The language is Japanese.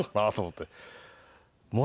って。